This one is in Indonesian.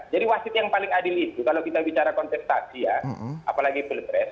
jadi wasit yang paling adil itu kalau kita bicara konteks taksian apalagi pilpres